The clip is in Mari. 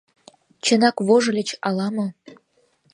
Чынак вожыльыч ала-мо.